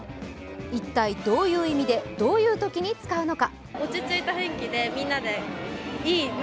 一体どういう意味でどういうときに使うのか。